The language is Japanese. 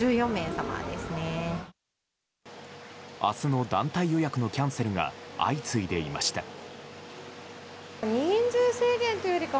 明日の団体予約のキャンセルが相次いでいました。